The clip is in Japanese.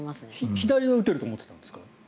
左は打てると思っていたんですか？